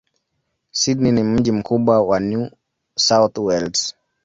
Sydney ni mji mkubwa wa New South Wales.